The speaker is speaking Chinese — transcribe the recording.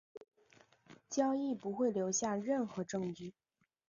交易不会留下任何证据。